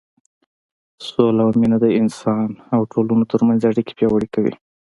سوله او مینه د انسانانو او ټولنو تر منځ اړیکې پیاوړې کوي.